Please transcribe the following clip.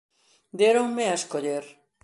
Déronme a escoller.